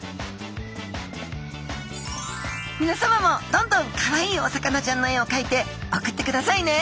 みなさまもどんどんかわいいお魚ちゃんの絵をかいて送ってくださいね。